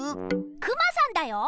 クマさんだよ！